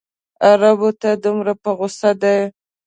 عربو ته دومره په غوسه دی.